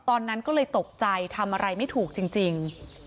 ตอนนั้นก็เลยตกใจทำอะไรไม่ถูกจริง